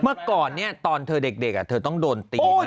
เมื่อก่อนเนี่ยตอนเธอเด็กเธอต้องโดนตีนะ